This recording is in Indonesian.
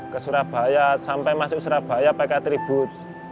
ke surabaya sampai masuk surabaya pakai atribut